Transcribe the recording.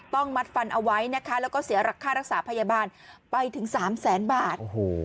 ต้องมัดฟันเอาไว้นะฮะแล้วก็เสียรักษารักษาพยาบาลไปถึง๓๐๐๐๐๐บาท